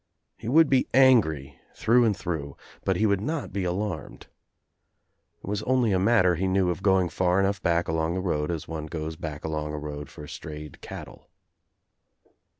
He would be angry through and through, but he would not be alarmed. It was only a matter, he knew, of going far enough back along the road as one goes back along a road for strayed cattle.